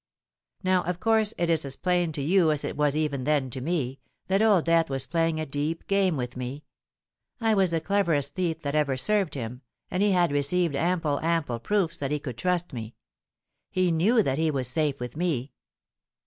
"Now, of course it is as plain to you as it was even then to me, that Old Death was playing a deep game with me. I was the cleverest thief that ever served him; and he had received ample—ample proofs that he could trust me. He knew that he was safe with me.